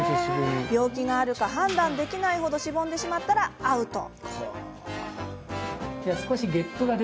病気があるか、判断できないほどしぼんでしまったら、アウト！